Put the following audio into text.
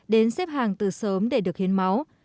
đến xếp hàng từ sớm để được hiến máu